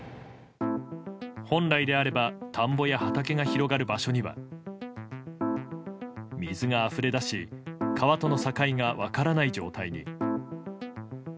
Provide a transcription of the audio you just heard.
本来であれば田んぼや畑が広がる場所には水があふれだし川との境が分からない状態に。